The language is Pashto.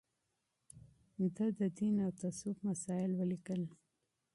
ده د دين او تصوف مسايل وليکل